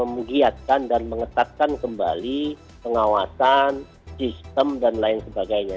menggiatkan dan mengetatkan kembali pengawasan sistem dan lain sebagainya